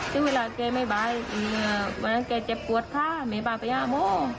ซึ่งเวลาแกไม่บาดวันนั้นแกเจ็บปวดข้าแม่บาดไปอย่างนั้น